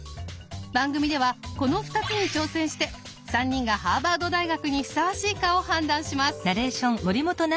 番組ではこの２つに挑戦して３人がハーバード大学にふさわしいかを判断します。